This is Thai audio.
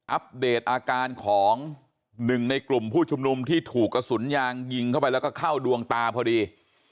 อัปเดตอาการของหนึ่งในกลุ่มผู้ชุมนุมที่ถูกกระสุนยางยิงเข้าไปแล้วก็เข้าดวงตาพอดี